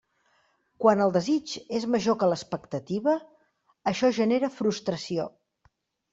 Quan el desig és major que l'expectativa, això genera frustració.